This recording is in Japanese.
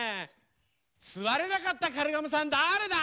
すわれなかったカルガモさんだれだ？